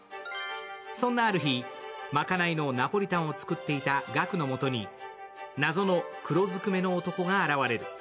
そんなある日、賄いのナポリタンを作っていた岳のもとに謎の黒ずくめの男が現れる。